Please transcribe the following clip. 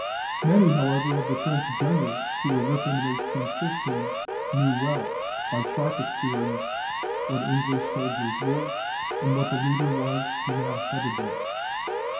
Many, however, of the French generals who were with him in 1815, knew well, by sharp experience, what English soldiers were, and what the leader was who now headed them.